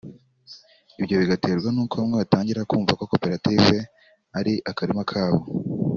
ibyo bigaterwa n’uko bamwe batangira kumva ko koperative ari akarima kabo